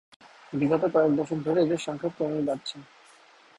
বিগত কয়েক দশক ধরে এদের সংখ্যা ক্রমেই বাড়ছে।